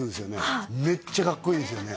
はいめっちゃかっこいいですよね